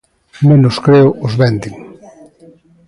Menos, creo, os venden.